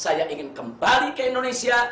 saya ingin kembali ke indonesia